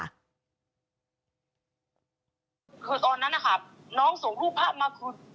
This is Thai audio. คือตอนนั้นน่ะค่ะน้องส่งรูปภาพมา